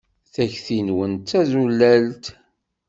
Takti-nwen d tazulalt.